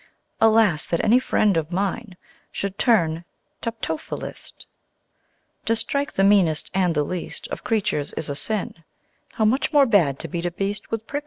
Alas! that any friend of mine Should turn Tupto philist.[B] To strike the meanest and the least Of creatures is a sin, How much more bad to beat a beast With prickles on its skin.